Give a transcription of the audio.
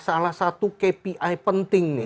salah satu kpi penting